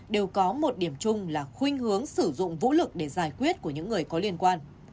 đều có một điểm chung là khuyên hướng sử dụng vũ lực để giải quyết của những người có liên quan